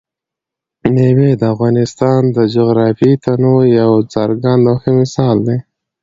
مېوې د افغانستان د جغرافیوي تنوع یو څرګند او ښه مثال دی.